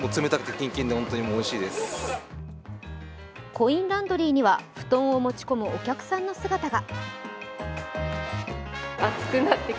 コインランドリーには布団を持ち込むお客さんの姿が。